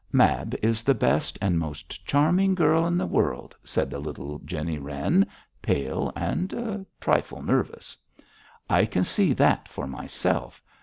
'Mab is the best and most charming girl in the world,' said the little Jennie Wren, pale, and a trifle nervous. 'I can see that for myself.